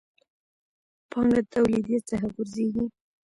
پانګه توليديت څخه غورځېږي.